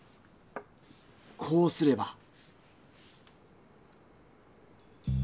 こうすれば。